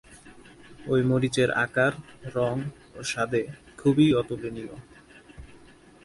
ঐ মরিচের আকার, রং ও স্বাদে খুবই অতুলনীয়।